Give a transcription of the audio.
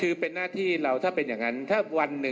คือเป็นหน้าที่เราถ้าเป็นอย่างนั้น